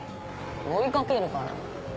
追い掛けるから。